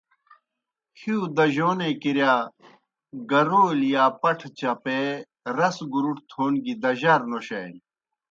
ہِیؤ دجونے کِرِیا گَرَولیْ یا پٹھہ چَپَے، رس گُرُٹ تھون گیْ دجار نوشانیْ۔